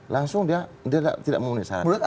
langsung dia tidak memenuhi syarat